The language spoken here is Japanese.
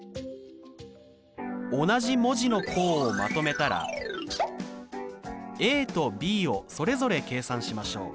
同じ文字の項をまとめたらとｂをそれぞれ計算しましょう。